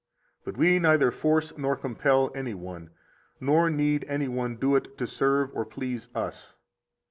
52 But we neither force nor compel any one; nor need any one do it to serve or please us.